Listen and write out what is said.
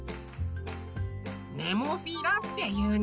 「ネモフィラ」っていうの。